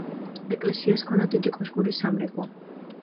ეკლესიას ჰქონდა დიდი კოშკური სამრეკლო.